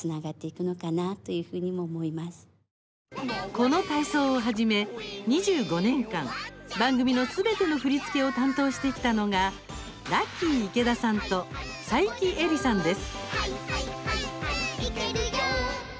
この体操をはじめ、２５年間番組のすべての振り付けを担当してきたのがラッキィ池田さんと彩木エリさんです。